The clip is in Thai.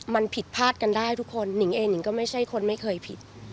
มันผิดพลาดกันได้ทุกคนหนิงเองนิงก็ไม่ใช่คนไม่เคยผิด